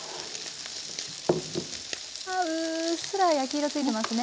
うっすら焼き色付いてますね。